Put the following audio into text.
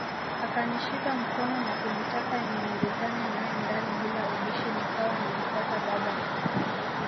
Akanishika mkono na kunitaka niongozane nae ndani bila ubishi nikawa namfuata baba